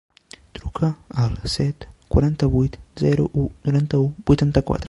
Truca al set, quaranta-vuit, zero, u, noranta-u, vuitanta-quatre.